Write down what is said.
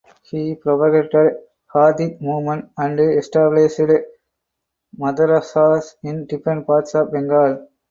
He propagated Hadith movement and established Madrasahs in different parts of Bengal.